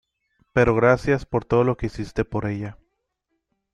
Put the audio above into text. pero gracias por todo lo que hiciste por ella.